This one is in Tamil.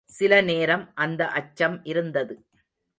சில நேரம் அந்த அச்சம் இருந்தது.